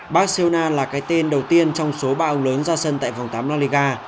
barcelona là cái tên đầu tiên trong số ba ông lớn ra sân tại vòng tám la liga